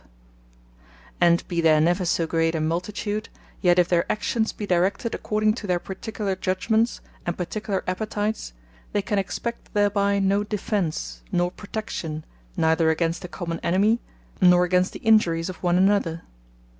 Nor From A Great Multitude, Unlesse Directed By One Judgement And be there never so great a Multitude; yet if their actions be directed according to their particular judgements, and particular appetites, they can expect thereby no defence, nor protection, neither against a Common enemy, nor against the injuries of one another.